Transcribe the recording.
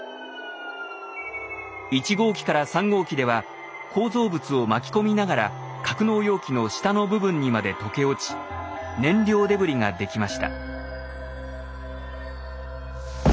１号機から３号機では構造物を巻き込みながら格納容器の下の部分にまで溶け落ち燃料デブリができました。